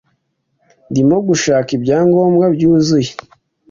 ndimo gushaka ibyangombwa byuzuye